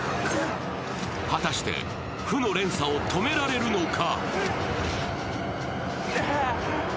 果たして、負の連鎖を止められるのか。